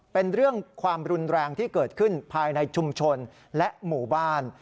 เป็นเรื่องความรุนแรงที่เกิดขึ้นภายในชุมชนและหมู่บ้าน